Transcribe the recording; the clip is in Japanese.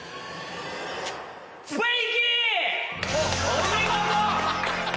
お見事！